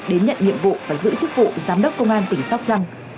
đến nhận nhiệm vụ và giữ chức vụ giám đốc công an tỉnh sóc trăng